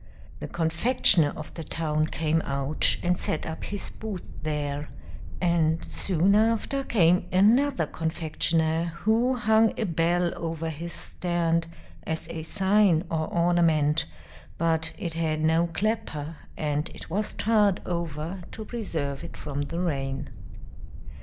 The confectioner of the town came out, and set up his booth there; and soon after came another confectioner, who hung a bell over his stand, as a sign or ornament, but it had no clapper, and it was tarred over to preserve it from the rain.